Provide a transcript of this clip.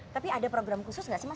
tapi ada program khusus nggak sih mas